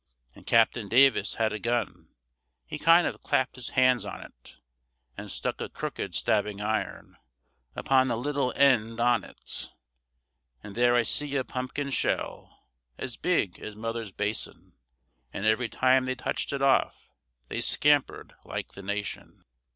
And Captain Davis had a gun, He kind of clapt his hand on 't, And stuck a crooked stabbing iron Upon the little end on 't. And there I see a pumpkin shell As big as mother's bason; And every time they touched it off, They scampered like the nation.